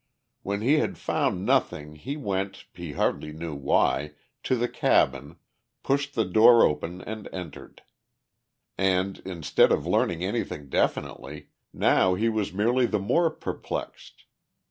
When he had found nothing he went, he hardly knew why, to the cabin, pushed the door open and entered. And instead of learning anything definitely now he was merely the more perplexed.